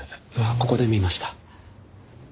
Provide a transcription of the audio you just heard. ここで見ました。